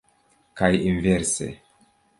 Kaj inverse.